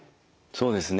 そうですね。